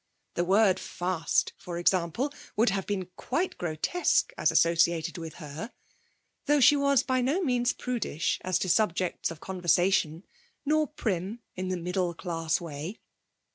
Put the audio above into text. The word 'fast', for example, would have been quite grotesque as associated with her, though she was by no means prudish as to subjects of conversation, nor prim in the middle class way.